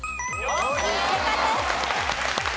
正解です。